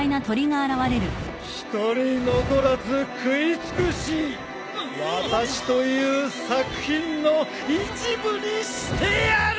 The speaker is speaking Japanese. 一人残らず食い尽くし私という作品の一部にしてやる！